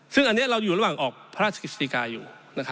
ซึ่งอันนี้เราอยู่ระหว่างออกพระราชกฤษฎีกาอยู่